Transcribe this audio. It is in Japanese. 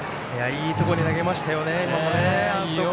いいところに投げましたよね。